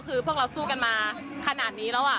คือพวกเราสู้กันมาขนาดนี้แล้ว